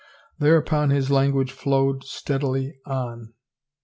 Thereupon his language flowed steadily on.